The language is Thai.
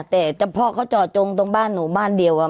แต่เฉพาะเค้าจอดจงโบ้านหนูบ้านเดียวอ่ะ